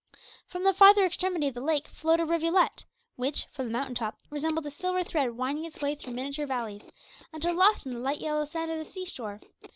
From the farther extremity of the lake flowed a rivulet, which, from the mountain top, resembled a silver thread winding its way through miniature valleys, until lost in the light yellow sand of the sea shore.